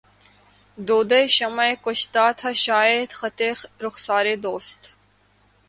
دودِ شمعِ کشتہ تھا شاید خطِ رخسارِ دوست